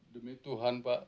demi tuhan pak